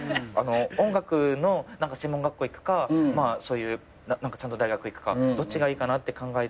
音楽の専門学校行くかそういうちゃんと大学行くかどっちがいいかなって考えて。